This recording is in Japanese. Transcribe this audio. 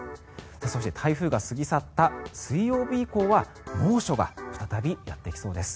そして、台風が過ぎ去った水曜日以降は猛暑が再びやってきそうです。